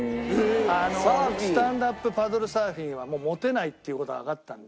スタンドアップパドルサーフィンはモテないっていう事がわかったんで。